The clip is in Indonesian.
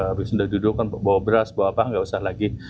habis sudah duduk kan bawa beras bawa apa nggak usah lagi